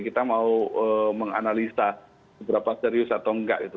kita mau menganalisa seberapa serius atau enggak gitu